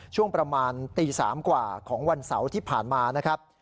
ช่วงประมาณตี๓กว่าของวันเสาร์ที่ผ่านมานะครับ